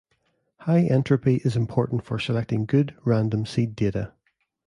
High entropy is important for selecting good random seed data.